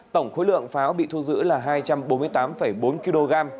tổng khối lượng pháo bị thu giữ là hai trăm bốn mươi tám bốn kg